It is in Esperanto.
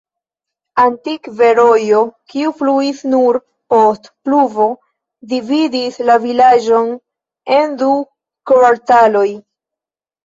Antikve rojo, kiu fluis nur post pluvo, dividis la vilaĝon en du kvartaloj.